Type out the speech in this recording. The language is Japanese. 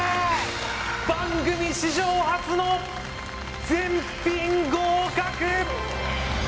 番組史上初の全品合格！